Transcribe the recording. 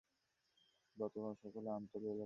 না, আগের মতোই আছে।